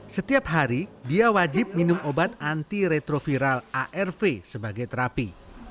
setiap hari dia wajib minum obat anti retroviral arv sebagai terapi